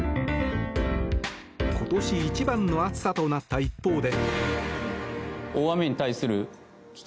今年一番の暑さとなった一方で。